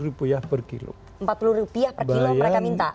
empat puluh rupiah per kilo mereka minta